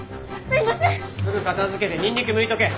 すぐ片づけてニンニクむいとけ。